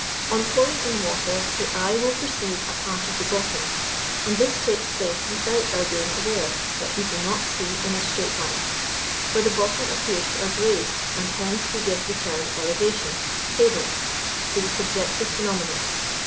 On pouring in water the eye will perceive a part of the bottom; and this takes place without our being aware that we do not see in a straight line; for the bottom appears to us raised, and hence we give the term elevation (hebung) to the subjective phenomenon.